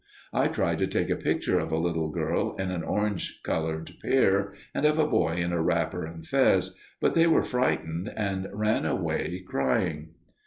I tried to take a picture of a little girl in an orange colored pair and of a boy in a wrapper and fez, but they were frightened and ran away crying.